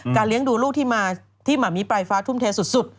การเลี้ยงดูลูกที่หม่ามีปลายฟ้าทุ่มเทสสุด